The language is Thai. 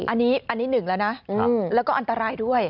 อันนี้หนึ่งแล้วนะแล้วก็อันตรายด้วย